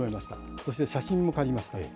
そして写真も借りました。